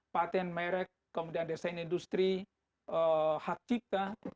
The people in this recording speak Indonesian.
patent merek kemudian desain industri hak cipta